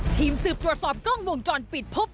ทีมสืบตรวจสอบกล้องวงจรปิดพบ